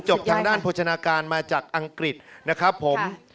ทางด้านโภชนาการมาจากอังกฤษนะครับผม